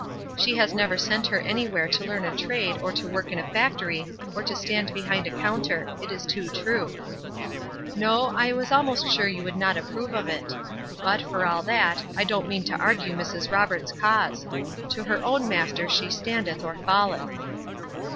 She has never sent her anywhere to learn a trade or to work in a factory or to stand behind a counter. It is too true. No, I was almost sure you did not approve of it. But, for all that, I don't mean to argue Mrs. Roberts' cause. "To her own Master she standeth or falleth."